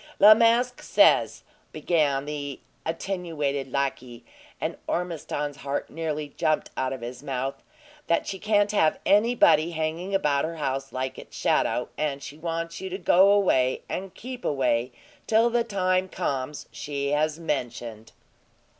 "La Masque says," began the attenuated lackey, and Ormiston's heart nearly jumped out of his mouth, "that she can't have anybody hanging about her house like its shadow; and she wants you to go away, and keep away, till the time comes she has mentioned."